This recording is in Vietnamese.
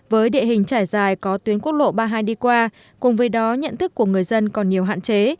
với địa hình trải dài có tuyến quốc lộ ba mươi hai đi qua cùng với đó nhận thức của người dân còn nhiều hạn chế